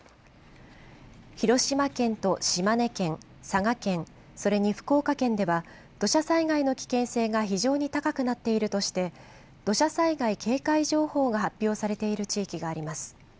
広島県と島根県、佐賀県、それに福岡県では土砂災害の危険性が非常に高くなっているとして土砂災害警戒情報が発表されている地域があります。